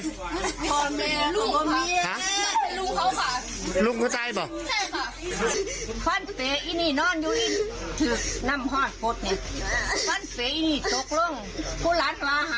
ลูกเขาฟะลูกเข้าใจเปล่า